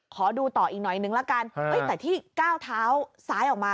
ขอดูต่ออีกหน่อยนึงละกันแต่ที่ก้าวเท้าซ้ายออกมา